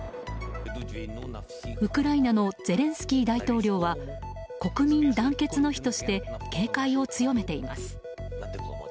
ウクライナのゼレンスキー大統領は国民団結の日として警戒を強めています。